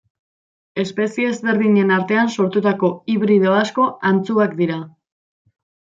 Espezie ezberdinen artean sortutako hibrido asko antzuak dira.